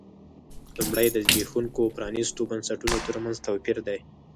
لومړی د زبېښونکو او پرانیستو بنسټونو ترمنځ توپیر دی.